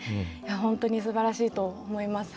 本当にすばらしいと思います。